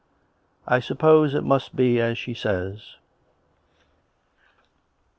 " I suppose it must be as she says."